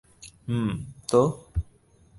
হুম, তো?